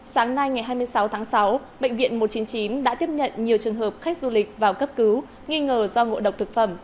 sáng nay ngày hai mươi sáu tháng sáu bệnh viện một trăm chín mươi chín đã tiếp nhận nhiều trường hợp khách du lịch vào cấp cứu nghi ngờ do ngộ độc thực phẩm